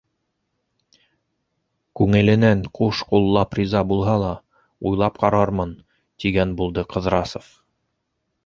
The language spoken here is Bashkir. Күңеленән ҡуш ҡуллап риза булһа ла, уйлап ҡарармын, тигән булды Ҡыҙрасов.